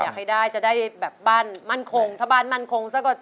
อยากให้ได้จะได้แบบบ้านมั่นคง